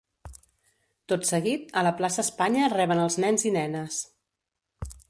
Tot seguit, a la Plaça Espanya reben als nens i nenes.